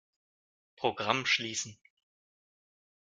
Programm schließen.